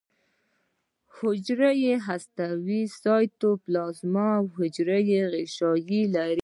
حجره هسته سایتوپلازم او حجروي غشا لري